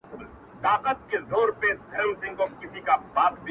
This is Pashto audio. • لکه په دښت کي غوړېدلی ګلاب -